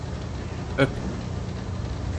Öp!